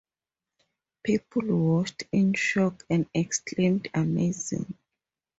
People watched in shock and exclaimed: Amazing!